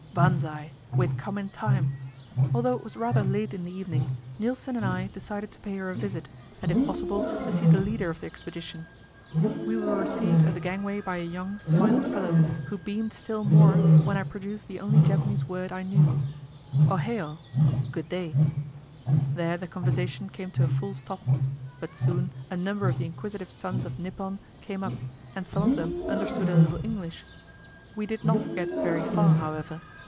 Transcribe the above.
Banzai! We had come in time. Although it was rather late in the evening, Nilsen and I decided to pay her a visit, and if possible to see the leader of the expedition. We were received at the gangway by a young, smiling fellow, who beamed still more when I produced the only Japanese word I knew: Oheio Good day. There the conversation came to a full stop, but soon a number of the inquisitive sons of Nippon came up, and some of them understood a little English. We did not get very far, however.